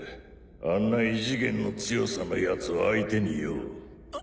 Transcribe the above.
あんな異次元の強さのヤツ相手によ？